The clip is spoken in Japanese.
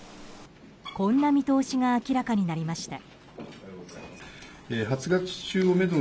こんな見通しが明らかになりました。